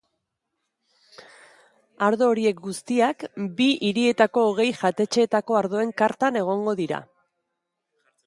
Ardo horiek guztiak bi hirietako hogei jatetxeetako ardoen kartan egongo dira.